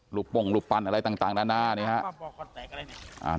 หลุบป่งหลุบปันอะไรต่างด้านหน้านี้ครับ